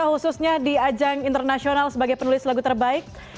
khususnya di ajang internasional sebagai penulis lagu terbaik